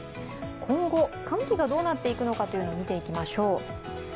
今後、寒気がどうなっていくのか見ていきましょう。